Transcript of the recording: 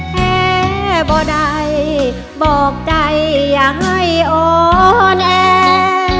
แพ้บ่ใดบอกใจอย่าให้อ่อนแอ